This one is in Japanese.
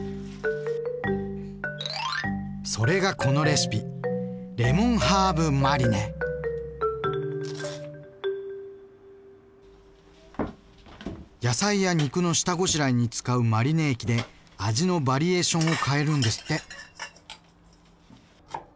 それがこのレシピ野菜や肉の下ごしらえに使うマリネ液で味のバリエーションを変えるんですって。